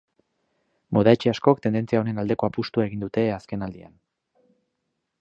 Moda etxe askok tendentzia honen aldeko apustua egin dute azkenaldian.